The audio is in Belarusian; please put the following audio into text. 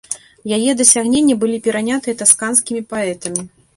Яе дасягнення былі перанятыя тасканскімі паэтамі.